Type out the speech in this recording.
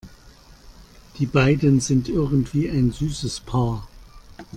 Die beiden sind irgendwie ein süßes Paar.